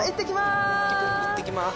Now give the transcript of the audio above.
いってきます。